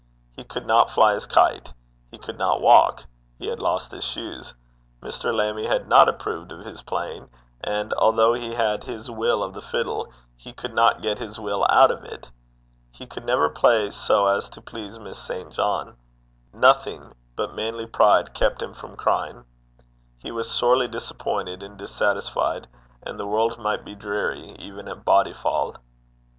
He could not fly his kite; he could not walk; he had lost his shoes; Mr. Lammie had not approved of his playing; and, although he had his will of the fiddle, he could not get his will out of it. He could never play so as to please Miss St. John. Nothing but manly pride kept him from crying. He was sorely disappointed and dissatisfied; and the world might be dreary even at Bodyfauld.